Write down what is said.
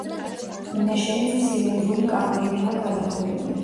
მინაშენიც ცილინდრული კამარითაა გადახურული.